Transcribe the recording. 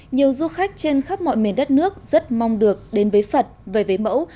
nhiều du khách trên khắp mọi miền đất nước rất mong được đến với phật về với mẫu